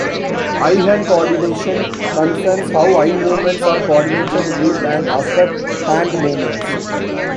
Eye-hand coordination concerns how eye movements are coordinated with and affect hand movements.